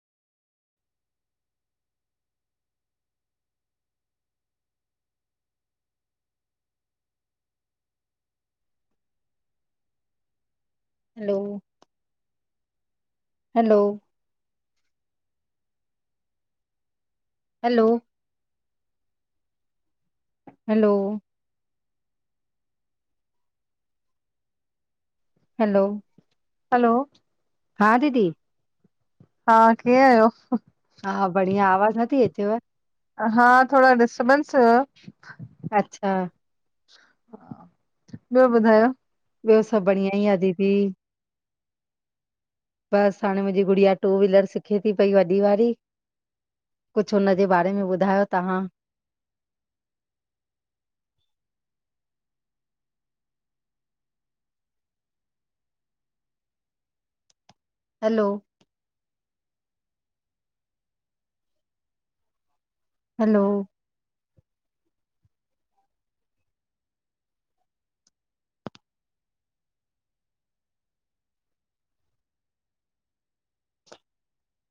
हलो hello hello hello hello hello हा दीदी हा कींअ आहियो हा बढिया आवाज नथी अचेव। हा थोड़ो डिस्टबेन्स हो अच्छा ॿियो ॿुधायो ॿियो सभु बढया आहे दीदी बस हाणे मुंहिंजी गुड़िया टू व्हीलर सिखे थी पई वॾी वारी कुछ हुनजे बारे में ॿुधायो तव्हां। [inaudible] हलो हलो